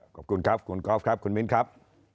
ขอบคุณครับคุณกอล์ฟครับคุณมิ้นครับ